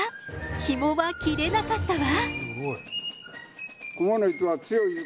ヒもは切れなかったわ。